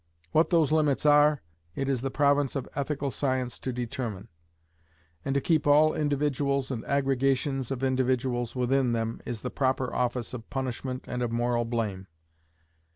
What those limits are, it is the province of ethical science to determine; and to keep all individuals and aggregations of individuals within them, is the proper office of punishment and of moral blame.